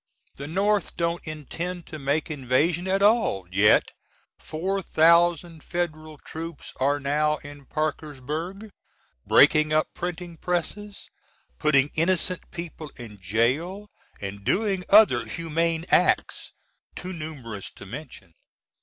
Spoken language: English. The North don't intend to make invasion at all, yet 4000 F^l troops are now in Parkersburg, breaking up printing presses, putting innocent people in jail, and doing other humane acts, "too numerous to mention."